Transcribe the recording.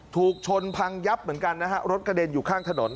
ถูกชนพังยับเหมือนกันนะฮะรถกระเด็นอยู่ข้างถนน